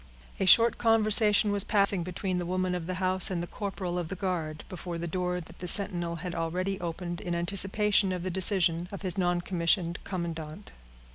A short conversation was passing between the woman of the house and the corporal of the guard, before the door that the sentinel had already opened in anticipation of the decision of his noncommissioned commandant.